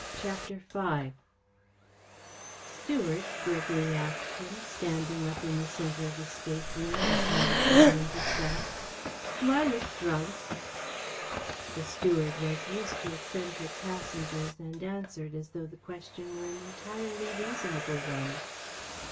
CHAPTER V "Steward," Gregory asked him, standing up in the centre of his stateroom, his hands behind his back, "do I look drunk?" The steward was used to eccentric passengers and answered as though the question were an entirely reasonable one.